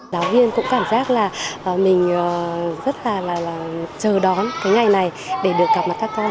giáo viên cũng cảm giác là mình rất là chờ đón cái ngày này để được gặp mặt các con